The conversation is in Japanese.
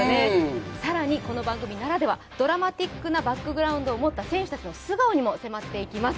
さらにこの番組ならではドラマティックなバックグラウンドを持った選手の素顔にも迫っていきます。